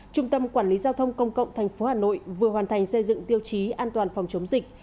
trung tâm quản lý giao thông công cộng tp hà nội vừa hoàn thành xây dựng tiêu chí an toàn phòng chống dịch